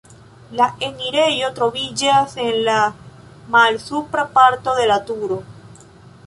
La enirejo troviĝas en la malsupra parto de la turo.